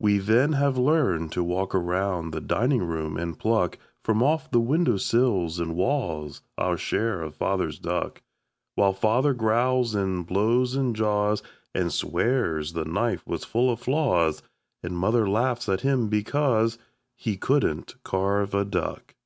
We then have learned to walk around the dining room and pluck From off the windowsills and walls Our share of Father's duck While Father growls and blows and jaws And swears the knife was full of flaws And Mother laughs at him because He couldn't carve a duck.